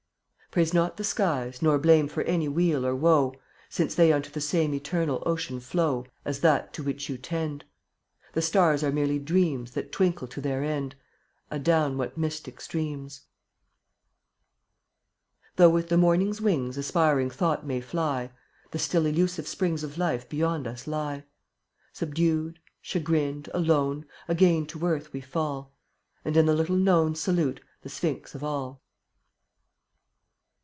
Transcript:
39 Praise not the skies nor blame For any weal or woe, Since they unto the same Eternal ocean flow As that to which you tend; The stars are merely dreams That twinkle to their end Adown what mystic streams ! 40 Though with the morning's wings Aspiring thought may fly, The still elusive springs Of life beyond us lie. Subdued, chagrined, alone, Again to earth we fall, And in the little Known Salute the sphinx of All.